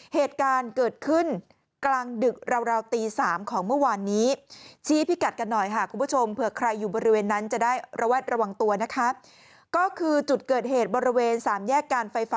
เหตุการณ์เกิดขึ้นกลางดึกราวตี๓ของเมื่อวานนี้